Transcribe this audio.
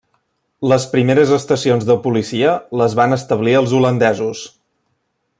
Les primeres estacions de policia les van establir els holandesos.